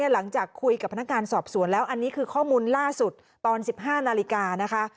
หลังจากคุยกับพนักงานสอบสวนแล้วอันนี้คือข้อมูลล่าสุดตอน๑๕นาฬิกานะคะ